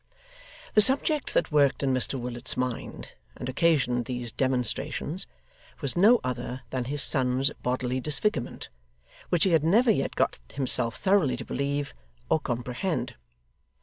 The subject that worked in Mr Willet's mind, and occasioned these demonstrations, was no other than his son's bodily disfigurement, which he had never yet got himself thoroughly to believe, or comprehend.